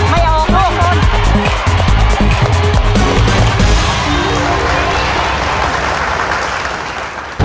ไม่เอาออกครับ